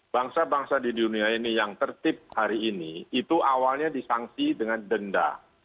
bangsa bangsa di dunia ini yang tertib hari ini itu awalnya disangsi dengan denda